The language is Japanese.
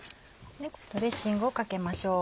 ドレッシングをかけましょう。